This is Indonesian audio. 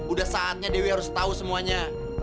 udah saatnya dewi harus tahu semuanya